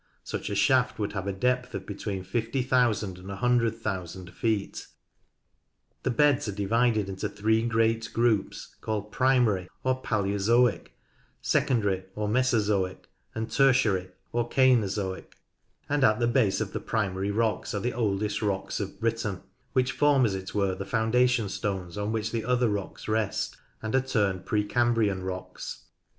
Such a shaft would have a depth of between 50,000 and 100,000 feet. The beds are divided into three great groups called Primary or Palaeozoic, Secondary or Mesozoic, and Tertiary or Cainozoic, and at the base of the Primary rocks are the oldest rocks of Britain, which form as it were the foundation stones on which the other rocks rest, and are termed Precambrian rocks.